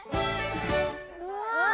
うわ！